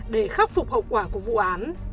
để khắc phục hậu quả của vụ án